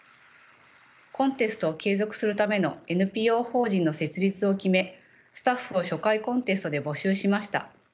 コンテストを継続するためのＮＰＯ法人の設立を決めスタッフを初回コンテストで募集しました。